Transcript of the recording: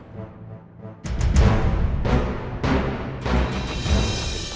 aku akan berusaha untuk mengambil sifah